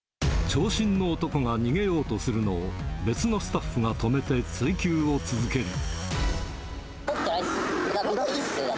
長身の男が逃げようとするのを、別のスタッフが止めて追及を続ける。